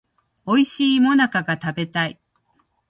おいしい最中が食べたい